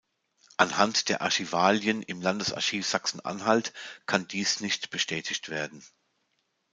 Anhand der Archivalien im Landesarchiv Sachsen-Anhalt kann dies nicht bestätigt werden.